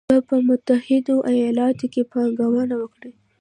به په متحدو ایالتونو کې پانګونه وکړي